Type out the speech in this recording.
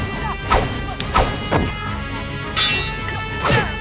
meraih kai se